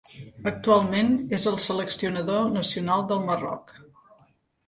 Actualment, és el seleccionador nacional del Marroc.